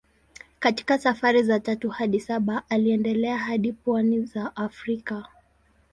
Katika safari za tatu hadi saba aliendelea hadi pwani za Afrika.